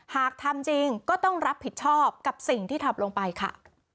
หากทำจริงก็ต้องรับผิดชอบกับสิ่งที่ทำลงไปค่ะ